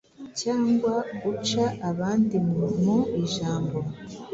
cyangwa uca abandi mu ijambo